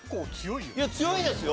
いや強いですよ。